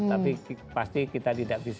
tapi pasti kita tidak bisa